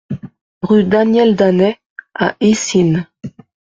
Rue Daniel Danet à Eysines